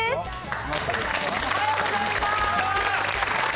おはようございます。